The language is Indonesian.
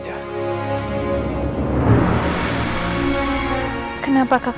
apakah karena kekasihnya lagi